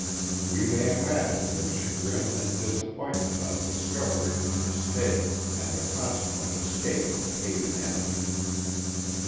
We may imagine their chagrin and disappointment on discovery of the mistake and the consequent escape of the hated enemy.